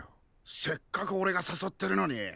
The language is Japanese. せっかくおれがさそってるのに！